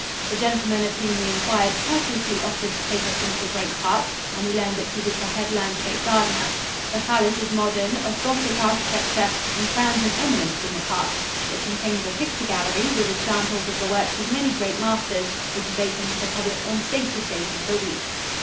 The gentleman of whom we inquired courteously offered to take us into the great park, and we learned that he was the head landscape gardener. The palace is modern, of Gothic architecture, and crowns an eminence in the park. It contains a picture gallery, with examples of the works of many great masters, which is open to the public on stated days of the week.